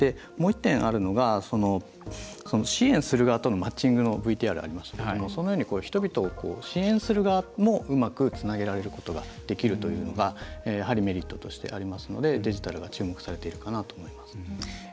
もう１点あるのが支援する側とのマッチングのＶＴＲありましたがそのように人々を支援する側もうまくつなげられることができるというのがやはりメリットととしてありますので、デジタルが注目されているかなと思います。